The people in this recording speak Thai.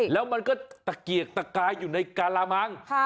แล้วมันก็ตะเกียกตะกายอยู่ในการามัง